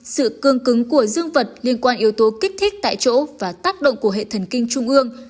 sự cương cứng của dương vật liên quan yếu tố kích thích tại chỗ và tác động của hệ thần kinh trung ương